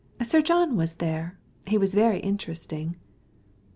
Sir John was there. He's very interesting."